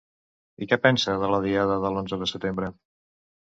I què pensa de la Diada de l'Onze de Setembre?